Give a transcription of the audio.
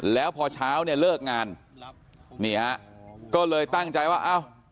แล้วพอเช้าเนี่ยเลิกงานนี่ฮะก็เลยตั้งใจว่าเอ้า